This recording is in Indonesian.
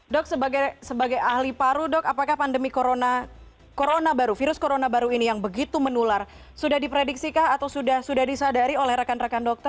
dok sebagai ahli paru dok apakah pandemi corona baru virus corona baru ini yang begitu menular sudah diprediksikah atau sudah disadari oleh rekan rekan dokter